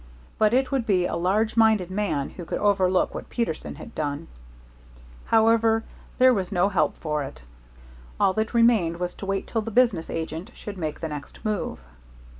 But it would be a large minded man who could overlook what Peterson had done. However, there was no help for it. All that remained was to wait till the business agent should make the next move.